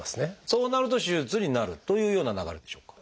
そうなると手術になるというような流れでしょうか？